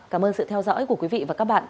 cảm ơn sự theo dõi của quý vị và các bạn